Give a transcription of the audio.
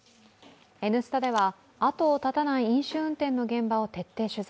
「Ｎスタ」では後を絶たない飲酒運転の現場を取材。